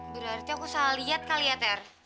berarti aku salah liat kali ya ter